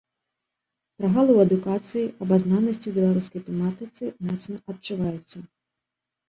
Прагалы ў адукацыі, абазнанасці ў беларускай тэматыцы моцна адчуваюцца.